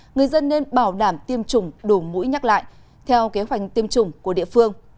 người dân nên bảo đảm tiêm chủng đủ mũi nhắc lại theo kế hoạch tiêm chủng của địa phương